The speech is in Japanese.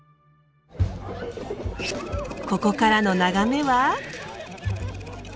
ここからの眺めは。